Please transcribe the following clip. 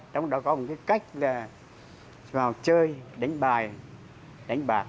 trong đó có một cái cách là vào chơi đánh bài đánh bạc